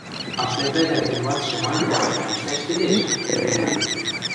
— А шляпӓдӓ кенвацшы манын, мам ӹштӓш келеш? — тӹдӹ яды.